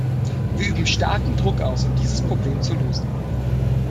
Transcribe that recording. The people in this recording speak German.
Wir üben starken Druck aus, um dieses Problem zu lösen.